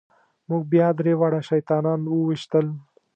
موږ بیا درې واړه شیطانان وويشتل.